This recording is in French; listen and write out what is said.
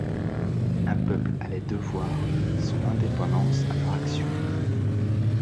Un peuple allait devoir son indépendance à leur action.